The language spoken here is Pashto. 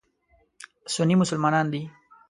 سني مسلمانان دي.